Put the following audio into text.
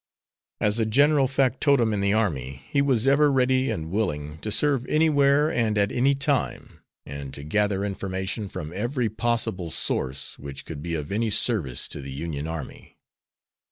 As a general factotum in the army, he was ever ready and willing to serve anywhere and at any time, and to gather information from every possible source which could be of any service to the Union army.